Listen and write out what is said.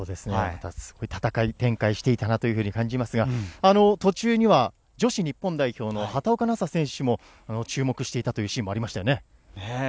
すごい展開をしていたなと思いますが、途中には女子日本代表の畑岡奈紗選手も注目していたというシーンもありま